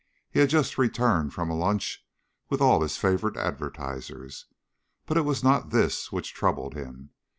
He had just returned from a lunch with all his favourite advertisers ... but it was not this which troubled him.